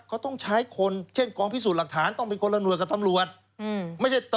เขาต้องใช้คนเช่นกองพิสูจน์หลักฐานต้องเป็นคนละหน่วยกับตำรวจ